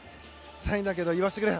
最後だけど、言わせてくれ。